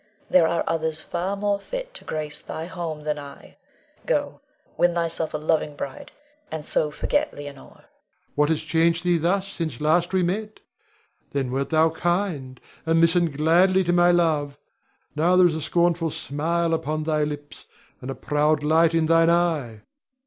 There are others far more fit to grace thy home than I. Go, win thyself a loving bride, and so forget Leonore. Rod. What hath changed thee thus since last we met. Then wert thou kind, and listened gladly to my love. Now there is a scornful smile upon thy lips, and a proud light in thine eye.